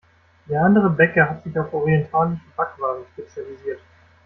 Der andere Bäcker hat sich auf orientalische Backwaren spezialisiert.